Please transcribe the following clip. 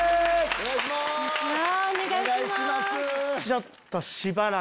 お願いします。